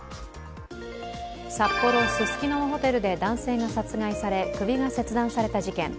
札幌・ススキノのホテルで男性が殺害され首が切断された事件。